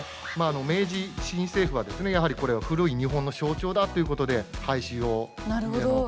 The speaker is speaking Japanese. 明治新政府はですねやはりこれは古い日本の象徴だということで廃止を国民に迫ったんです。